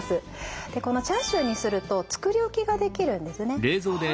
でこのチャーシューにすると作り置きができるんですね。